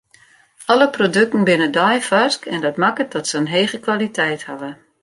Alle produkten binne deifarsk en dat makket dat se in hege kwaliteit hawwe.